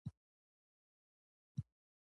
د افغانستان په منظره کې لمریز ځواک ښکاره ده.